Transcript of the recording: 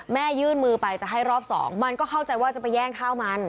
ยื่นมือไปจะให้รอบสองมันก็เข้าใจว่าจะไปแย่งข้าวมัน